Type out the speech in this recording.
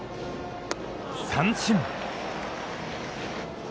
三振。